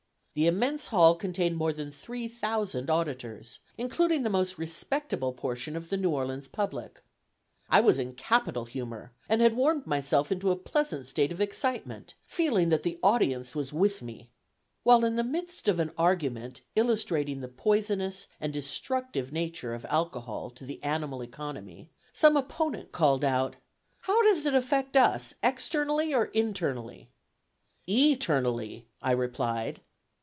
The immense hall contained more than three thousand auditors, including the most respectable portion of the New Orleans public. I was in capital humor, and had warmed myself into a pleasant state of excitement, feeling that the audience was with me. While in the midst of an argument illustrating the poisonous and destructive nature of alcohol to the animal economy, some opponent called out, "How does it affect us, externally or internally?" "E ternally," I replied.